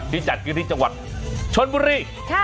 ที่จัดกิจจังหวัดชนบุรี